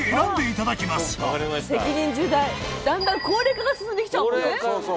だんだん高齢化が進んできちゃうもんね。